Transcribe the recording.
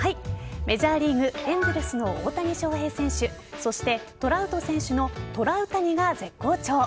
メジャーリーグエンゼルスの大谷翔平選手そしてトラウト選手のトラウタニが絶好調。